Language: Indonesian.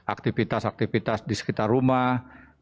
aktivitas aktivitas di sekitar rumah